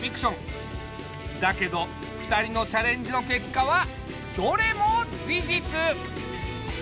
だけど２人のチャレンジのけっかはどれも事実！